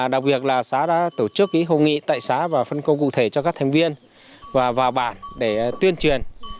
đặc biệt xã đã tổ chức hội nghị tại xã và phân công cụ thể cho các thành viên và bảng để tuyên truyền